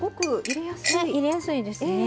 入れやすいですね。